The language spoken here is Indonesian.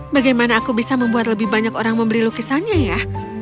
bagaimana aku bisa membuat lebih banyak orang memberi lukisannya ya